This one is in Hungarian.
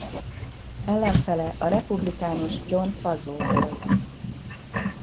Ellenfele a republikánus John Faso volt.